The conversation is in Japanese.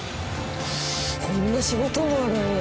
こんな仕事もあるんや。